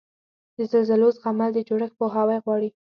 د زلزلو زغمل د جوړښت پوهاوی غواړي.